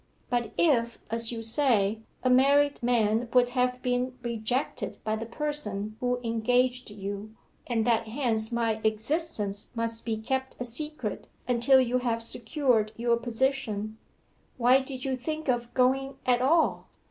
But if, as you say, a married man would have been rejected by the person who engaged you, and that hence my existence must be kept a secret until you have secured your position, why did you think of going at all?